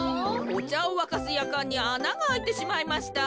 おちゃをわかすやかんにあながあいてしまいました。